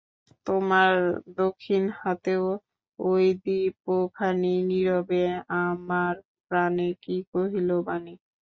তোমার দখিন হাতে ওই দীপখানি, নীরবে আমার প্রাণে কি কহিল বাণী।